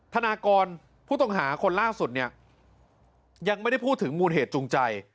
ธนากรผู้ต้องหาคนล่าสุดเนี่ยยังไม่ได้พูดถึงมูลเหตุจูงใจ